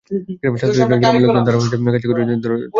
ছাত্রছাত্রী ছাড়াও গ্রামের লোকজন তাঁর কাছে বইয়ের জন্য ধরনা দিতে লাগল।